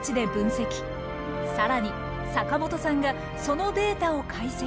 さらに坂本さんがそのデータを解析。